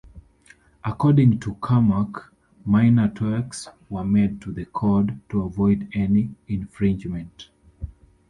According to Carmack, minor tweaks were made to the code to avoid any infringement.